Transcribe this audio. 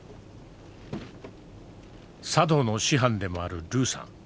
茶道の師範でもあるルーさん。